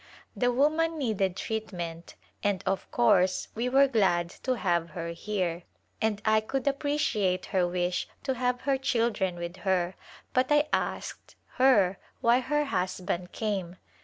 The woman needed treatment and of course we were glad to have her here, and I could appreciate her wish to have her children with her, but I asked her why her husband came.